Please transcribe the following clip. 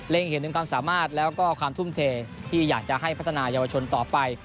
เห็นถึงความสามารถแล้วก็ความทุ่มเทที่อยากจะให้พัฒนายาวชนต่อไป